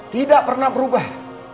tidak pernah berubah